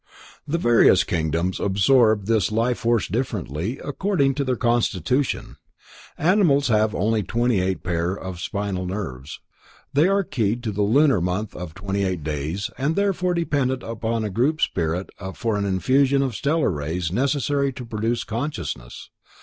The various kingdoms absorb this life force differently, according to their constitution. Animals have only 28 pairs of spinal nerves. They are keyed to the lunar month of 28 days and therefore dependent upon a Groupspirit for an infusion of stellar rays necessary to produce consciousness.